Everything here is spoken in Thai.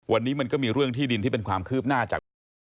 วันนี้มันก็มีเรื่องที่ดินที่เป็นความคืบหน้าจากตำรวจ